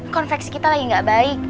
konveksi kita lagi gak baik